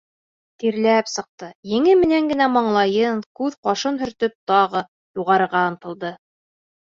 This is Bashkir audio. Тирләп сыҡты, еңе менән генә маңлайын, күҙ-ҡашын һөртөп тағы юғарыға ынтылды.